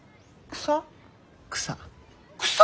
草。